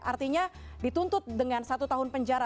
artinya dituntut dengan satu tahun penjara